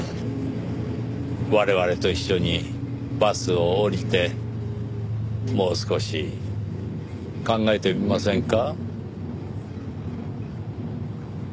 我々と一緒にバスを降りてもう少し考えてみませんか？